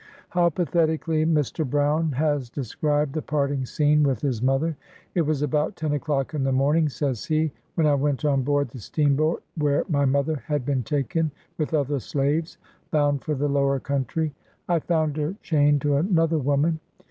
How pathetically Mr. Brown has described the parting scene with his mother !" It was about ten o'clock in the morning," says he, " when I went on board the steamboat where my mother had been taken, with other slaves, bound for the lower country. I found her chained to another woman.